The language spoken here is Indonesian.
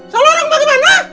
salah orang bagaimana